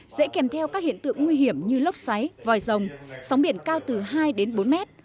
sẽ kèm theo các hiện tượng nguy hiểm như lốc xoáy vòi rồng sóng biển cao từ hai đến bốn mét